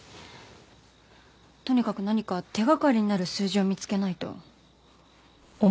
とにかく何か手掛かりになる数字を見つけないと。